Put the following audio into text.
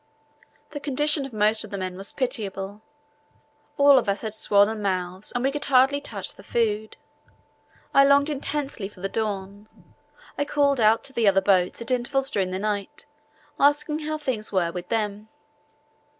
The condition of most of the men was pitiable. All of us had swollen mouths and we could hardly touch the food. I longed intensely for the dawn. I called out to the other boats at intervals during the night, asking how things were with them.